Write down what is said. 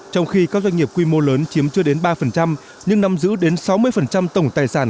trong khi các doanh nghiệp quy mô lớn chiếm chưa đến ba nhưng nắm giữ đến sáu mươi tổng tài sản